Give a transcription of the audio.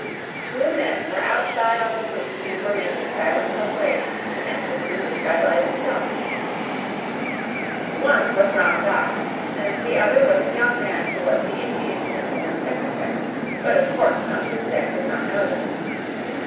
Two men were outside on the roof, and were making silent preparations to enter through the skylight itself. One was Ram Dass and the other was a young man who was the Indian gentleman's secretary; but of course Melchisedec did not know this.